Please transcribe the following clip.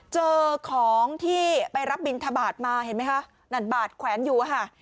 เจอของที่ไปรับบินทบาทมาเห็นไหมคะนั่นบาทแขวนอยู่อะค่ะ